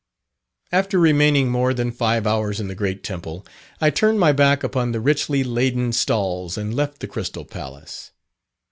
After remaining more than five hours in the great temple, I turned my back upon the richly laden stalls and left the Crystal Palace.